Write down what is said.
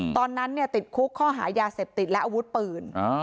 ตอนนั้นติดคุกข้อหายาเสพติดและอาวุธปืน